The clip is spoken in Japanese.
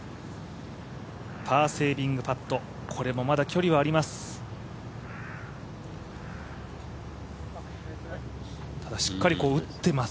パーセービングパット、これもまだ距離はあります。